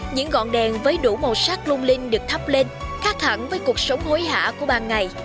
những gọn đèn với đủ màu sắc lung linh được thắp lên khác hẳn với cuộc sống hối hả của ban ngày